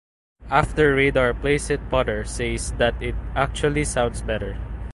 After Radar plays it Potter says that it actually sounds better.